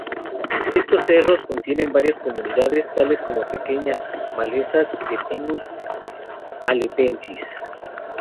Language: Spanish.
Estos cerros contienen varias comunidades, tales como pequeñas malezas de Pinus halepensis.